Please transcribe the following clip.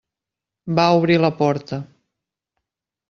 Va obrir la porta.